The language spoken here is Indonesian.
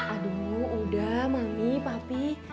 aduh udah mami papi